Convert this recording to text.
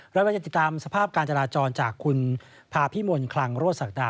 เราจะติดตามสภาพการจราจรจากคุณภาพิมลคลังโรศักดา